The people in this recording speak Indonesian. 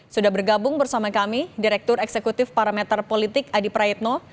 sudah bergabung bersama kami direktur eksekutif parameter politik adi praetno